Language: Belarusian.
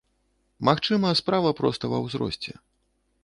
Магчыма, справа проста ва ўзросце.